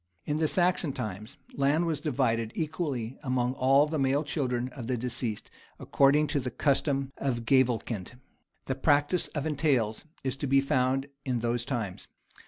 In the Saxon times, land was divided equally among all the male children of the deceased, according to the custom of gavelkind. The practice of entails is to be found in those times.